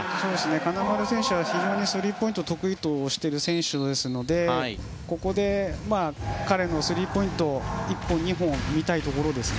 金丸選手は非常にスリーポイントを得意としている選手ですのでここで彼のスリーポイントを１本、２本見たいところですね。